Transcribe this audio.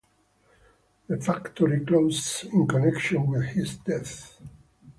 The factory closed in connection with his death.